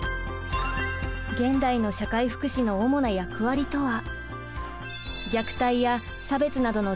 現代の社会福祉の主な役割とは？